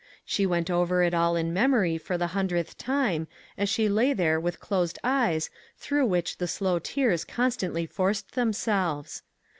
She went over it all in memory for the hundredth time, as she lay there with closed eyes through which the slow tears con stantly forced themselves.